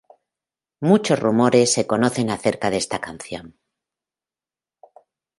Muchos rumores se conocen acerca de esta canción.